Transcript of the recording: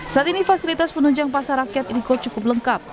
saat ini fasilitas penunjang pasar rakyat ini kok cukup lengkap